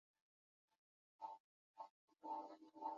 সে স্বর্গ হইতে সাহায্য চায়, এবং সেই সাহায্য সে পায়।